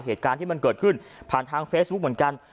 เหตุการณ์ที่มันเกิดขึ้นผ่านทางเฟซบุ๊คเหมือนกัน